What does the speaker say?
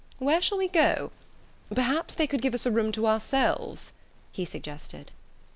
Where shall we go? Perhaps they could give us a room to ourselves " he suggested.